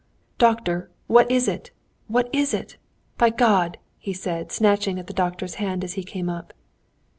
"Doctor! What is it? What is it? By God!" he said, snatching at the doctor's hand as he came up.